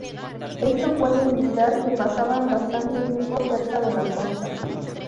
Esto puede indicar que pasaban bastante tiempo cerca de la costa.